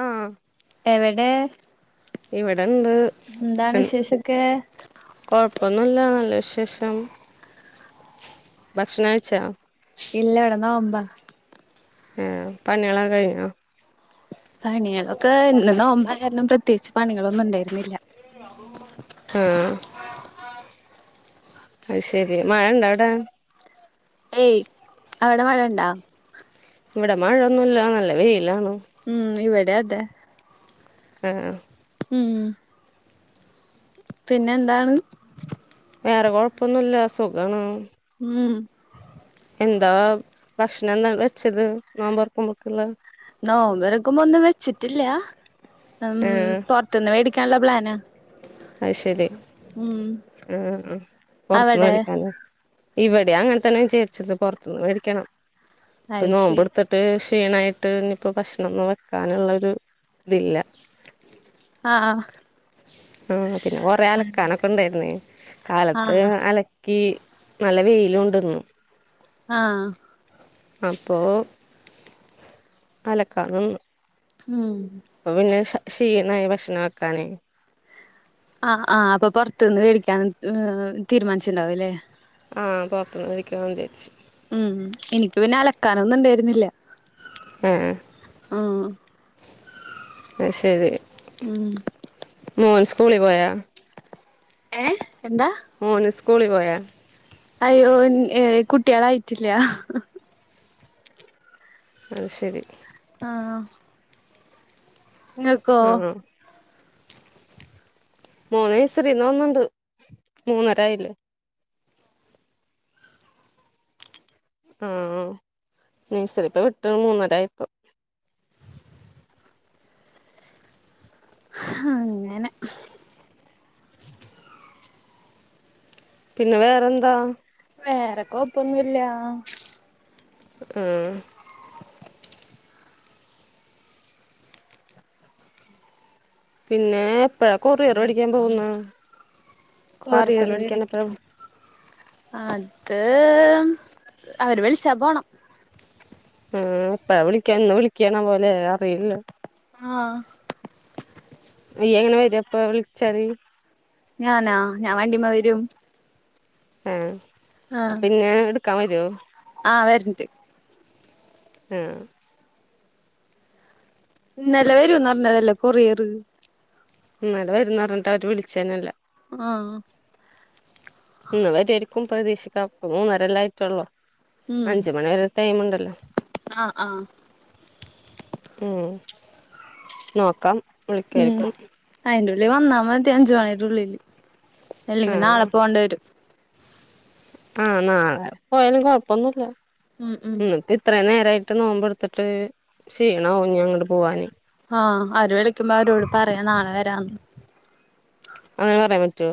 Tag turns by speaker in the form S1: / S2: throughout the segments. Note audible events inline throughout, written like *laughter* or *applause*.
S1: ആഹ്
S2: എവടെ
S1: ഇവിടെണ്ട്
S2: ന്താണ്
S1: ഉം
S2: വിശേഷൊക്കേ
S1: കൊഴപ്പൊന്നുല്ല നല്ല വിശേഷം. ഭക്ഷണകഴിച്ചാ
S2: ഇല്ല വ്‌ടെ നോമ്പാ.
S1: ഏഹ് പണിയളൊക്കഴിഞ്ഞോ
S2: പണിയളൊക്കെ ഇന്ന് നോമ്പായാര്ണം പ്രത്യേച്ച് പണികളൊന്നും ഇണ്ടേര്ന്നില്ല.
S1: ആഹ് അയ് ശെരി മഴ ഇണ്ടവ്ടെ
S2: ഏയ്. അവ്ടെ മഴണ്ടാ
S1: ഇവടെ മഴൊന്നുല്ല നല്ല വെയ്ലാണ്.
S2: ഉം ഇവടെഅതെ.
S1: ആഹ് ആഹ്
S2: ഉം ഉം പിന്നെ എന്താണ്
S1: വേറെ കൊഴപ്പൊന്നുല്ല സുഖാണ്.
S2: ഉം
S1: എന്താ ഭക്ഷണെന്താ വെച്ചത് നോമ്പറ്‌ക്കുമ്പക്ക്‌ള്ളെ
S2: നോമ്പ തൊറക്കുമ്പോ ഒന്നും വെച്ചിട്ടില്ല ഉം. പൊറ് ത്ത്ന്ന് മേടിക്കാൻള്ള പ്ലാനാ.
S1: അയ് ശരി
S2: ഉം
S1: ഉം ഉം പൊറത്ത്ന്ന്
S2: അവിടെ
S1: മേടിക്കാൻല്ലെ ഇവടിം അങ്ങൻതന്നെ വിചാരിച്ചത് പൊർത്ത്ന്ന് മേടിക്കണം. ഇപ്പ ഈ
S2: അയ്ശരി
S1: നോമ്പെട്ത്ത് ട്ട് ക്ഷീണായിട്ട് ഇഞ്ഞിപ്പോ ഭക്ഷണൊന്നും വെക്കാന്ള്ളൊരു ഇതില്ല.
S2: ആഹ് ആഹ്
S1: ആഹ് പിന്നെ കൊറെ അലക്കാനൊക്കെ ഇണ്ടേര്ന്നേ കാലത്ത്
S2: ആഹ്
S1: അല ക്കി നല്ല വെയിലൂണ്ട്ന്ന്.
S2: ആഹ്
S1: അപ്പോ അലക്കാ നിന്നു.
S2: ഉം
S1: പ്പൊ പിന്നെ ക്ഷീണായി ഭക്ഷണം വെക്കാന്.
S2: ആഹ് ആഹ് അപ്പൊ പൊറ്ത്തുന്ന് കഴിക്കാൻ അ് തീരുമാൻച്ചിട്ടുണ്ടാവു ല്ലേ?
S1: ആഹ് പൊറത്തുന്ന് കഴിക്കാന്ന് വിചാര്ച്ച്.
S2: ഉം ഉം എനിക്ക് പിന്നെ അലക്കാനൊന്നുണ്ടേര്ന്നില്ല.
S1: ഏഹ്
S2: ഉം
S1: അയ് ശരി
S2: ഉം
S1: മോൻ സ്കൂളി പോയാ?
S2: ഏഹ് എന്താ?
S1: മോന് സ്കൂളി പോയാ?
S2: അയ്യോ എനിക്ക് കുട്ട്യാളായിട്ടില്ല.
S1: അത് ശരി.
S2: ആഹ് ഇങ്ങക്കോ?
S1: ആ മോൻ നയ്സരീന്ന് വന്ന്ണ്ട്. മൂന്നരായില്ലേ ആഹ് നയ്സറിത്ത്‌ വിട്ട് മൂന്നരായപ്പൊ
S2: ഹാ അങ്ങെനെ.
S1: പിന്നെ വേറെന്താ?
S2: വേറെ കൊഴപ്പൊന്നുല്ല.
S1: ആഹ് പിന്നെ എപ്പഴാ കൊറിയറ് വേടിക്കാൻ പോവുന്നെ?
S2: കൊറിയറ് മേടിക്കാൻ. അത് അവര് വിളിച്ചാ പോണം.
S1: ഉം ഇപ്പ വിളിക്കാ ഇന്ന് വിളിക്കാണാവലേ അറിയില്ല.
S2: ആഹ്
S1: നീയെങ്ങനെ വെരപ്പ വിൾച്ചാല്?
S2: ഞാനാ ഞാൻ വണ്ടിമ്മെ വരും.
S1: ആഹ് അപ്പന്നെ ഇട്ക്കാൻ വരോ?
S2: ആ വരണ്ട്
S1: ആഹ് -
S2: ഇന്നലെ വരുംന്നർഞ്ഞതല്ലേ കൊറിയറ്.
S1: ഇന്നല്ലെ വരുന്നറഞ്ഞിട്ടവര് വിളിച്ചെന്നെല്ല.
S2: ആഹ്
S1: ഇന്ന് വരുവായിരിക്കും പ്രതീക്ഷിക്കാം പ്പൊ മൂന്നരല്ലായിട്ടൊള്ളു.
S2: ഉം
S1: അഞ്ച്മണി വരെ ടൈമ്ണ്ടല്ലോ?
S2: ആഹ് ആഹ്
S1: ഉം നോക്കാം വിളിക്കുആയിരിക്കും.
S2: അയ്ന്റുള്ളി വന്നാ മതി അഞ്ചു മണിന്റുള്ളില്, അല്ലെങ്കി നാളെ
S1: ആഹ്
S2: പോവണ്ടി വരും.
S1: ആഹ് നാളെ പോയാലും കൊഴപ്പൊന്നുല്ല.
S2: ഉം ഉം
S1: ഇന്ന്പ്പി - ഇത്രയും നേരായിട്ട് നോമ്പെടുത്തിട്ട് ക്ഷീണാവും ന്നി അങ്ങട്ട് പോവാന്.
S2: ആഹ് അവര് വിളിക്കുമ്പോ അവരോട് പറയാ നാളെ വരാന്ന്.
S1: അങ്ങനെ പറയാൻ പറ്റോ?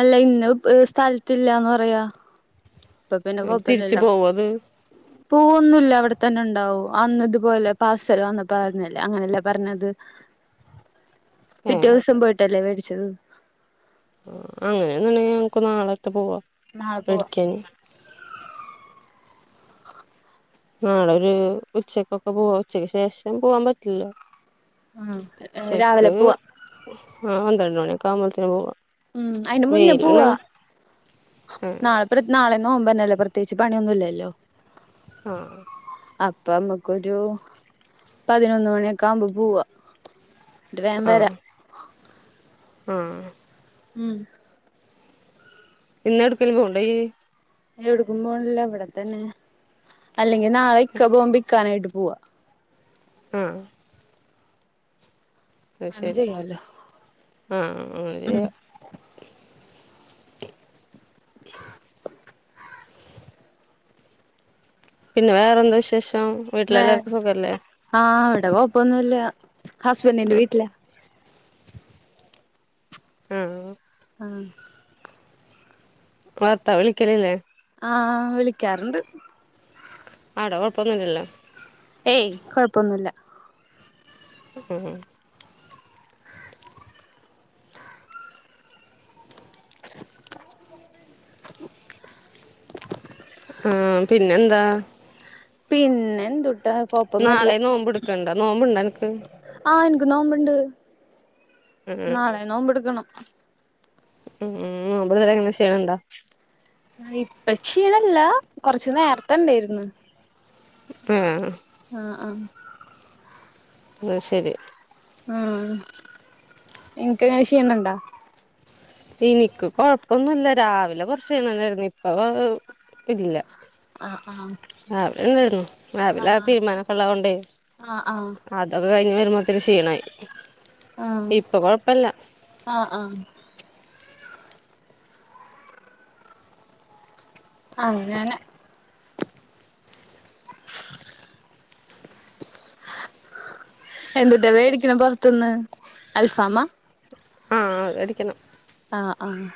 S2: അല്ല ഇന്ന സ്ഥലത്തില്ലാന്ന് പറയാ അപ്പം പിന്നെ
S1: തിരിച്ചു
S2: കൊഴപ്പല്ലലോ
S1: പോവോ അത്
S2: പോവൊന്നുല്ല അവിടെത്തന്നെ ഉണ്ടാവും അന്നതുപോലെ പാർസൽ വന്നപ്പോ പറഞ്ഞല്ലേ അങ്ങനെയല്ലേ പറഞ്ഞത് പിറ്റേ
S1: ഏഹ്
S2: ദിവസം പോയിട്ടല്ലേ വേടിച്ചത്
S1: ആ അങ്ങനെയേന്നുണ്ടെങ്കി നമ്മക്ക് നാളത്തെ പോവാ
S2: നാളെ പോവാം
S1: മേടിക്കാന് നാളൊരു ഉച്ചക്കൊക്കെ പോവാ ഉച്ചക്ക് ശേഷം പോവാൻ പറ്റില്ല
S2: ഉം രാവിലെ
S1: ഉച്ചക്ക്
S2: പോവാ
S1: ആഹ് പന്ത്രണ്ട് മണിയൊക്കെ ആവുമ്പോത്തിന് പോവാം
S2: ഉം അയിന് മുന്നേ പോവാ
S1: ആ
S2: നാളെ നാളെ നോമ്പന്നല്ലേ പ്രത്യേകിച്ച് പണിയൊന്നും ഇല്ലല്ലോ
S1: ആഹ്
S2: അപ്പം നമ്മുക്കൊരു പതിനൊന്ന് മണിയൊക്കെ ആവുമ്പോ പോവാ എന്നിട്ട് വേഗം വരാ
S1: ആഹ്
S2: ഉം
S1: ഇന്ന് എവിട്ക്കേലും പോവ്ണ്ടോ ഇജ്
S2: എവിട്ക്കും പോണില്ല ഇവിടെത്തന്നെ. അല്ലെങ്കിൽ നാളെ ഇക്ക പോകുമ്പോ ഇക്കാനെ ആയിട്ട് പോവാ
S1: ആഹ് അയ്
S2: അങ്ങനെ
S1: ശെരി
S2: ചെയ്യാലോ
S1: ആഹ് അങ്ങനെ
S2: ഉം
S1: ചെയ്യാം
S2: *unintelligible*
S1: പിന്നെ വേറെ എന്താ വിശേഷം
S2: വേ
S1: വീട്ടിലെല്ലാവർക്കും സുഖല്ലേ
S2: ആഹ് ഇവടെ കെയ്പ്പൊന്നുല്ലാ ഹസ്ബൻഡിന്റെ വീട്ടിലാ
S1: ആഹ്
S2: അഹ്
S1: ഇങ്ങളെ ഭർത്താവ് വിളിക്കലില്ലേ
S2: ആഹ് വിളിക്കാറുണ്ട്.
S1: അവിടെ കൊഴപ്പൊന്നും ഇല്ലല്ലോ
S2: ഏയ് കൊഴപ്പൊന്നുല്ല.
S1: ഉം ഉം
S2: *inaudible*
S1: ഉം പിന്നെ എന്താ
S2: പിന്നെ എന്തൂട്ടാ കൊഴപ്പൊന്നും ഇല്ല
S1: നാളെ നോമ്പെടുക്കണ്ടോ നോമ്പുണ്ടോ അനക്ക്
S2: ആഹ് ഇൻക്ക് നോമ്പ്ണ്ട്
S1: ഉം
S2: നാളെയും നോമ്പെട്ക്കണം.
S1: ഉം ഉം ഒൻപത് വരെ എങ്ങനെ ക്ഷീണം ഉണ്ടോ
S2: ഇപ്പം ക്ഷീണ ഇല്ലാ കൊർച്ച് നേർത്തെ ഇണ്ടെയ്ര്ന്ന്
S1: ആഹ്
S2: ആഹ് ആ
S1: അയ് ശരി
S2: ആഹ് ഇൻക്കെങ്ങനെ ക്ഷീണം ഉണ്ടോ
S1: ഇൻക്ക് കൊഴപ്പൊന്നുല്ല രാവിലെ കൊർച്ച് ക്ഷീണണ്ടായിരുന്നു. ഇപ്പ വ ഓ ഇല്ലാ
S2: ആഹ് ആഹ്
S1: രാവില ഇണ്ടായിരുന്നു രാവിലെ ആ തീരുമ്പാനൊക്കെ ഉള്ളതോണ്ടേ.
S2: ആഹ്
S1: അതൊക്കെ കഴിഞ്ഞ് വരുമ്പോത്തിന് ക്ഷീണായി.
S2: ആഹ്
S1: ഇപ്പൊ കൊഴപ്പല്ല
S2: ആ ആ അങ്ങനെ. എന്തൂട്ടാ വേടിക്ക്ണ പൊർത്ത്ന്ന് അൽഫാമാ
S1: ആഹ്, അടിക്കെണം.
S2: ആഹ്, ആഹ്,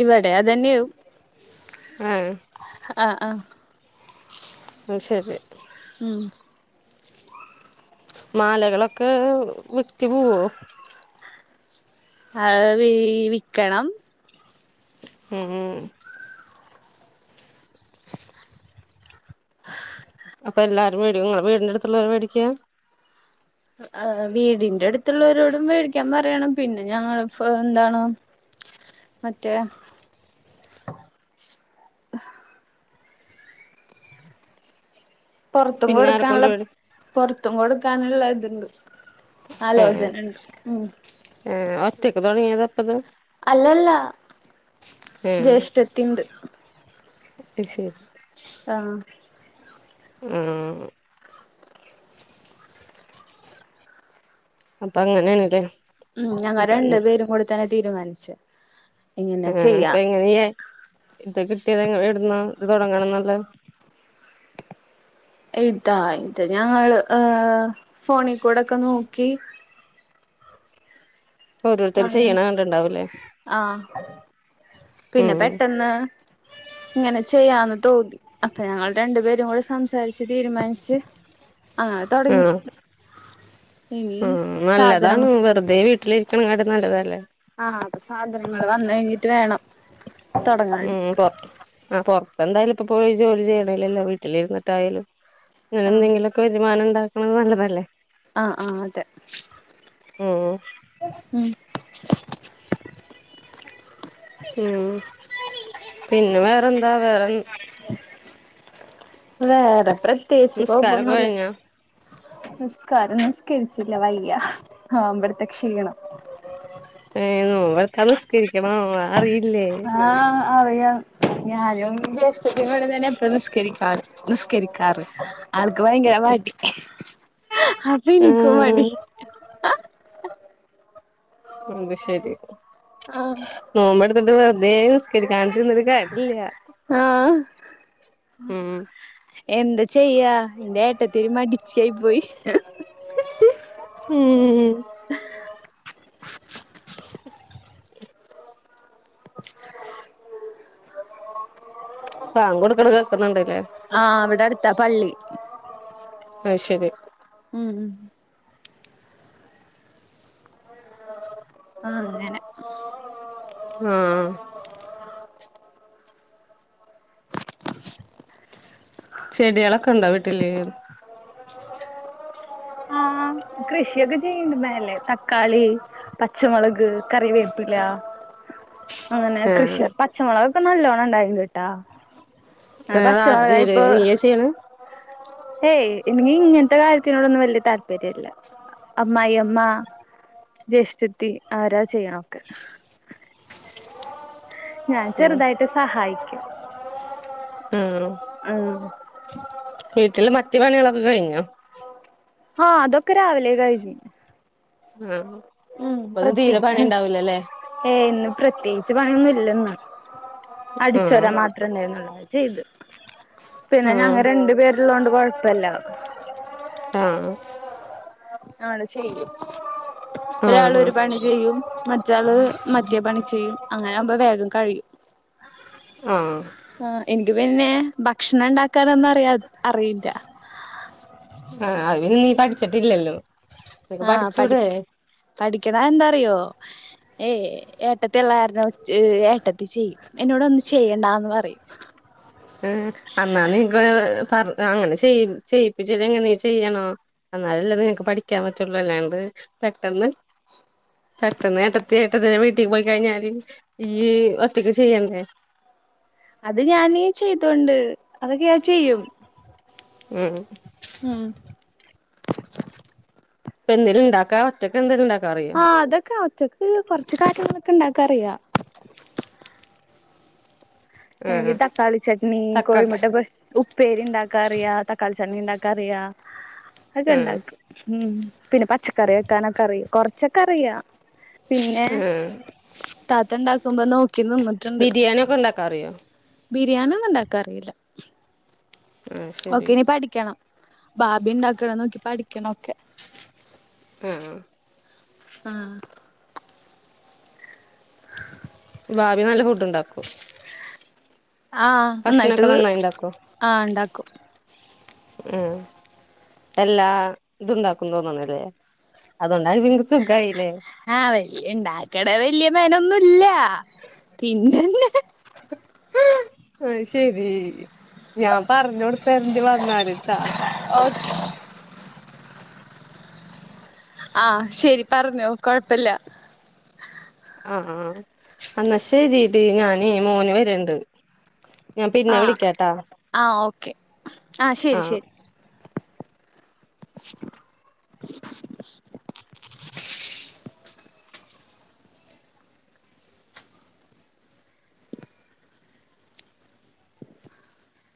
S2: ഇവ്ടെ അതെന്ന്യാവും.
S1: ആഹ്.
S2: ആഹ് ആഹ്.
S1: അത് സരി.
S2: ഉം.
S1: മാലകളൊക്ക വിറ്റ് പോവൊ.
S2: അത് വീ വിക്കണം.
S1: ഉം അപ്പ എല്ലാരും വേടിക്കും ഇങ്ങളെ വീടിന്റ അടുത്തുള്ളോര് വേടിക്കും.
S2: അഹ് വീടിന്റ അട്ത്ത്ള്ളോരോടും വേടിക്കാ പറയണം പിന്ന ഞങ്ങള് ഫാ എന്താണ്. മറ്റേ.. പൊർത്തും
S1: പിന്നെ
S2: കൊട്ക്കാന്ള്ള
S1: ആരെക്കൊണ്ട് മേടി
S2: പൊർത്തും കൊട്ക്കാന്ള്ള ഇത്ണ്ട്.
S1: അ ആഹ്. ഒറ്റക്ക് തൊടങ്ങേത ഇപ്പത്.
S2: അല്ലല്ലാ.. ജേഷ്ഠത്തിണ്ട്.
S1: അയ് ശെരി.
S2: ആഹ്.
S1: ഉം. അപ്പ അങ്ങനേണ് ലെ.
S2: ഉം, ഞങ്ങ രണ്ട് പേരും കൂടി തന്നെ തീരുമാനിച്ച്. ഇങ്ങനെ
S1: ആഹാ ഇപ്പ
S2: ചെയ്യാം
S1: എങ്ങനെയ ഇപ്പ കിട്ടിയത് എവിട്ന്നാ ഇത് തൊട്ങ്ങണംന്ന്ള്ള
S2: ഇതാ ഇത് ഞങ്ങള് ഏഹ് ഫോണി കൂടെക്ക നോക്കി
S1: ഓരോരുത്തർ
S2: അങ്ങനെ
S1: ചെയ്യണ കണ്ടിണ്ടാവൂലേ
S2: ആഹ് പിന്നെ
S1: ഉം
S2: പെട്ടെന്ന് ഇങ്ങനെ ചെയ്യാന്ന് തോന്നി അപ്പ ഞങ്ങള് രണ്ട് പേരും കൂടി സംസാരിച്ച് തീരുമാനിച്ച് അങ്ങനെ തൊടങ്ങി
S1: ആഹ്
S2: ഇനി
S1: ഉം
S2: സാധനം
S1: നല്ലതാണ് വെറ്തേ വീട്ടില് ഇരി ക്ക്ണങ്ങാട്ടി നല്ലതല്ലെ
S2: ആഹ് അത് സാധനങ്ങള് വന്ന് കഴിഞ്ഞിട്ട് വേണം തൊടങ്ങാൻ
S1: ഉം പൊ ആഹ് പൊറ്ത്ത് എന്തായലും ഇപ്പ പോയി ജോലി ചെയ്യ്ണ് ഇലലൊ വീട്ടില് ഇരുന്നിട്ട് ആയാലും അങ്ങനെ
S2: ആഹ്
S1: എന്തെങ്കിലും ക്ക് വരുമാനം ഇണ്ടാക്ക്ണ നല്ലതല്ലെ
S2: ആഹ് ആഹ് അതെ
S1: ഉം
S2: ഉം
S1: ഉം പിന്നെ വേറെന്താ വേറെ
S2: വേറെ പ്രത്യേകിച്ച്
S1: നിസ്കാരൊക്കെ
S2: കൊഴപ്പൊന്നില്ല
S1: കഴിഞ്ഞോ
S2: നിസ്കാരം നിസ്കരിച്ചില്ല വയ്യ നോമ്പെട്ത്ത ക്ഷീണം
S1: ഏഹ് നോമ്പെട്ത്താ നിസ്കരിക്കണൊ അറീ
S2: ആഹ് അറിയാം ഞാനും ജ്യേഷ്ഠത്തിയും ഒരു നനം ഇപ്പ നിസ്കരിക്കാറ് നിസ്കരിക്കാറ് ആൾക്ക് ഭയങ്കര മടി അപ്പ ഇൻക്കും
S1: ആഹ്
S2: മടി
S1: ഉമ്പ് ശരി
S2: ആഹ്
S1: നോമ്പടുത്തിട്ട് വെറുതേ നിസ്കരിക്കാണ്ട് ഇരുന്നിട്ട് കാര്യല്ലാ
S2: ഉം എന്ത ചെയ്യ എന്റെ ഏട്ടത്തി ഒരു മടിച്ചി ആയി പോയി
S1: ഉം ഉം
S2: *unintelligible*
S1: ബാങ്ക് കൊടുക്ക്ണ കേക്ക്ന്ന്ണ്ട്ല്ലേ
S2: ആഹ് ഇവടെ അട്ത്താ പള്ളി
S1: അഹ്ശരി
S2: ഉം
S1: *unintelligible*
S2: ആങ്ങനെ
S1: ആഹ്
S2: *inaudible*
S1: ചെടാളൊക്കെണ്ടോ വീട്ടില്
S2: *unintelligible* ആഹ് കൃഷി ഒക്കെ ചെയ്യ്ണ്ട് മേലെ തക്കാളി പച്ചമൊളക് കറിവേപ്പില അങ്ങനെ
S1: ആഹ്
S2: കൃഷിയ പച്ചമൊളകക്കെ നല്ലോണ്ണം ഇണ്ടായിട്ട് ണ്ട്ട്ടാ അഅ്
S1: അത് ആര്
S2: പച്ചമൊളക്
S1: ചെയ്യല്
S2: ഇപ്പോ
S1: നീയാ ചെയ്യണെ
S2: ഏയ് ഇന്നീ ഇങ്ങൻത്തെ കാര്യത്തിനോടാെന്നും വെല്യ താല്പര്യം ഇല്ല അമ്മായിഅമ്മ ജേഷ്ഠത്തി ആവരാ ചെയ്യ്ണ ഒക്കെ ഞാൻ
S1: ഉം
S2: ചെറുതായിട്ട് സഹായിക്കും
S1: ഉം
S2: ഉം
S1: വീട്ടില് മറ്റ് പണികള് ഒക്കെ കഴിഞ്ഞോ
S2: ആഹ് അതാെക്കെ രാവിലെ കഴിഞ്ഞു
S1: ഉം
S2: ഉം പ്രത്രി ഉം ഏഹ് ഇന്ന് പ്രത്യേകിച്ച് പണി ഒന്നും ഇല്ലന്ന്
S1: ആഹ്
S2: അടിച്ചോരാം മാത് ത്രണ്ടായിനൊള്ളൂ അത് ചെയ്തു പിന്നെ
S1: ആഹ്
S2: ഞങ്ങ രണ്ട് പേരുള്ളോണ്ട് കൊഴപ്പല്ല
S1: ആഹ്
S2: ആള് ചെയ്യും ഒരാള്
S1: ആഹ്
S2: ഒരു പണി ചെയ്യും മറ്റാള് മറ്റേ പണി ചെയ്യും അങ്ങനെ ആവുമ്പോ വേഗം കഴിയും *inaudible*
S1: ആഹ്
S2: ആഹ് എനിക്ക് പിന്നെ ഭക്ഷണം ഇണ്ടാക്കാനൊന്നും അറിയാ അറിയില്ല
S1: അഹ് പിന്നെ നീ പഠിച്ചിട്ടില്ലല്ലോ നിനക്ക്
S2: ആഹ് പഠി
S1: പഠിച്ചൂടെ
S2: പഠിക്കണം അഎന്താറിയോ ഏയ് ഏട്ടത്തിയുള്ളെ കാരണം ച്ഏ് ഏട്ടത്തി ചെയ്യും എന്നോട് ഒന്നും ചെയ്യണ്ടാന്ന് പറയും
S1: ഏ് അന്നാന്നീക്ക് പറ അങ്ങനെ ചെയ് ചെയ്യിപ്പിച്ച്ച്ചീങ്ങനേ നീ ചെയ്യണോ എന്നാലല്ലേ നിനക്ക് പഠിക്കാൻ പറ്റാെള്ളൂ അല്ലാണ്ട് പെട്ടെന്ന് പെട്ടന്ന് ഏട്ടത്തി ഏട്ടത്തിന്റെ വീട്ടി പോയി കഴിഞ്ഞാല് ഇയ്യ് ഒറ്റയ്ക്ക് ചെയ്യണ്ടേ
S2: അത് ഞാന് ചെയ്തോണ്ട് അതൊക്കെ ഞാന് ചെയ്യും
S1: ഉം
S2: ഉം
S1: ഇപ്പ എന്തേലും ഇണ്ടാക്കാ ഒറ്റക്കെന്തേലും ഇണ്ടാക്കാൻ അറിയോ
S2: ആഹ് അതൊക്കെ ഞാൻ ഒറ്റക് എ് കൊർച്ച് കാര്യങ്ങളൊക്കെ ഇണ്ടാക്കാ അറിയാ എങ്കി
S1: ആഹ്
S2: തക്കാളി ചട്നി
S1: തക്കാളി
S2: കോഴിമുട്ട പൊരിച്ച് ഉപ്പേരി ഇണ്ടാക്കാറിയാ തക്കാളി ചട്ട്നി ഇണ്ടാക്കാറിയാ അഅക്ക
S1: ഉം
S2: ഇണ്ടാകും ഉം പിന്നെ പച്ചക്കറി വെക്കാനൊക്കെ അറിയ കൊറച്ചൊക്കെ അറിയാ പിന്നെ താത്തണ്ടാ
S1: ബിരിയാണിക്കെ ഉണ്ടാക്കാൻ അറിയോ
S2: ബിരിയാണി ഒന്നും ഇണ്ടാക്കാൻ അറിയില്ല
S1: ആഹ്
S2: ഓക്കെ
S1: ശരി
S2: ഇനി പഠിക്കണം ഭാബി ഇണ്ടാക്ക്ണെ നോക്കി പഠിക്കണം ഒക്കെ
S1: ആഹ്
S2: ആഹ്
S1: ഭാബി നല്ല ഫുഡ് ഉണ്ടാക്കും
S2: ആഹ് നന്നായിട്ട്
S1: ഭക്ഷണൊക്കെ നന്നായി ഉണ്ടാക്കോ
S2: ആഹ് ഇണ്ടാക്കും
S1: ഉം എല്ലാതുണ്ടാക്കും തോന്ന്ണല്ലേ അതുകൊണ്ടാ പി സുഖായില്ലേ
S2: ആഹ് വല്ല്യ ഇണ്ടാക്കടേ വല്ല്യ മെനൊന്നുല്ല പിന്നെന്നെ
S1: അത് ശെരി ഞാൻ പറഞ്ഞൊട്ത്തരണ്ട് വന്നാല്ട്ടാ.
S2: ഓഹ് ആഹ് ശെരി പറഞ്ഞോ കൊഴപ്പല്യ
S1: ആഹ് എന്നാ ശെരി ഡീ ഞാനേ മോന് വര്ണ്ട് ഞാൻ പിന്നെ
S2: ആഹ്
S1: വിളിക്കാട്ടാ
S2: ആഹ് ഓക്കെ ശരി
S1: ആഹ്
S2: ശരി